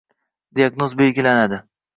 Diagnoz belgilanadi.